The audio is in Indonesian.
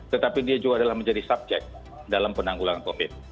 tetapi dia juga adalah menjadi subjek dalam penanggulangan covid